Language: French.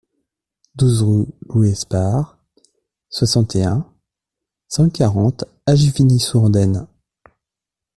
douze rue Louis Esparre, soixante et un, cent quarante à Juvigny-sous-Andaine